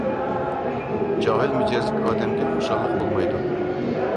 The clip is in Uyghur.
جاھىل مىجەزلىك ئادەمگە خۇشاللىق بولمايدۇ.